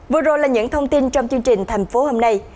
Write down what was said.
vừa rồi là những thông tin trong chương trình thành phố hôm nay